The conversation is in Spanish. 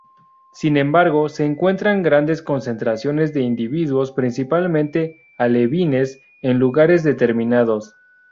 Sin embargo, se encuentran grandes concentraciones de individuos, principalmente alevines, en lugares determinados.